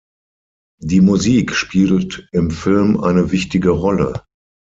Die Musik spielt im Film eine wichtige Rolle.